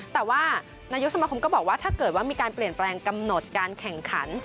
แต่ว่านายกสมาคมก็บอกว่าถ้าเกิดว่ามีการเปลี่ยนแปลงกำหนดการแข่งขัน